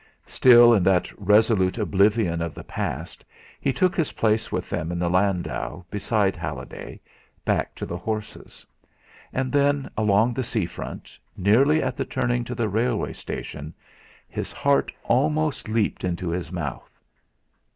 Still in that resolute oblivion of the past, he took his place with them in the landau beside Halliday, back to the horses. And, then, along the sea front, nearly at the turning to the railway station, his heart almost leaped into his mouth.